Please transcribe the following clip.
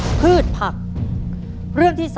แบบช่วยดูเสลจคือทำทุกอย่างที่ให้น้องอยู่กับแม่ได้นานที่สุด